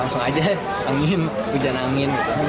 langsung aja angin hujan angin